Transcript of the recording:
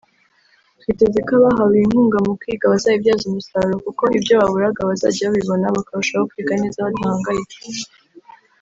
twiteze ko abahawe iyi nkunga mu kwiga bazayibyaza umusaruro kuko ibyo baburaga bazajya babibona bakarushaho kwiga neza badahangayitse